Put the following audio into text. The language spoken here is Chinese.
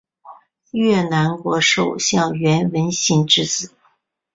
越南国首相阮文心之子。